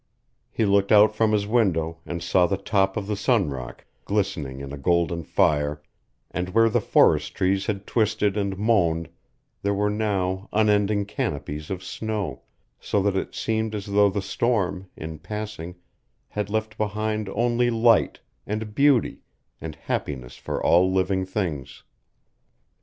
He looked out from his window, and saw the top of the Sun Rock glistening in a golden fire, and where the forest trees had twisted and moaned there were now unending canopies of snow, so that it seemed as though the storm, in passing, had left behind only light, and beauty, and happiness for all living things.